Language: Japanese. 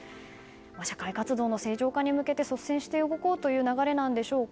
社会活動の正常化に向けて率先して動こうということなんでしょうか。